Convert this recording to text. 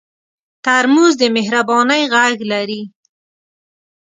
ترموز د مهربانۍ غږ لري.